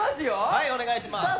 はいお願いします